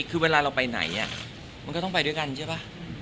คือเวลาเราไปไหนมันก็ต้องไปด้วยกันใช่ป่ะ